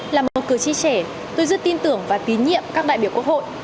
là một cử tri trẻ tôi rất tin tưởng và tín nhiệm các đại biểu quốc hội